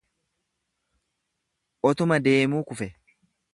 Utuma deemuu kufe.